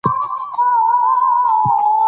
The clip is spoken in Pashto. نه یې زده کړل له تاریخ څخه پندونه